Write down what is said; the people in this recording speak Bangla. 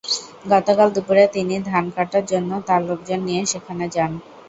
গতকাল দুপুরে তিনি ধান কাটার জন্য তাঁর লোকজন নিয়ে সেখানে যান।